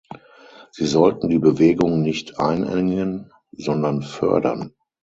Sie sollten die Bewegung nicht einengen, sondern fördern.